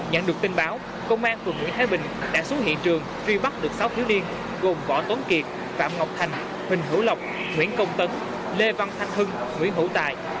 nhận được tin báo công an phường nguyễn thái bình đã xuống hiện trường truy bắt được sáu thiếu niên gồm võ tuấn kiệt phạm ngọc thành huỳnh hữu lộc nguyễn công tấn lê văn thanh hưng nguyễn hữu tài